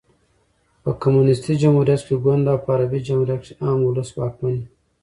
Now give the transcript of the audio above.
په کمونيسټي جمهوریت کښي ګوند او په عربي جمهوریت کښي عام اولس واکمن يي.